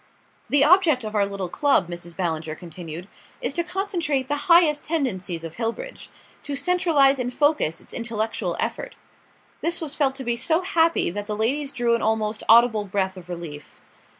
"The object of our little club," Mrs. Ballinger continued, "is to concentrate the highest tendencies of Hillbridge to centralise and focus its intellectual effort." This was felt to be so happy that the ladies drew an almost audible breath of relief.